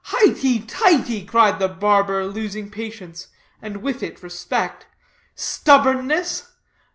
"Hity tity!" cried the barber, losing patience, and with it respect; "stubbornness?"